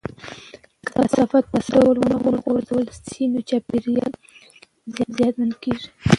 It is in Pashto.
که کثافات په سم ډول نه غورځول شي، چاپیریال زیانمن کېږي.